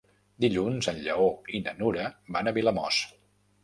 Dilluns en Lleó i na Nura van a Vilamòs.